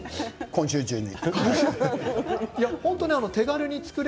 今週中に。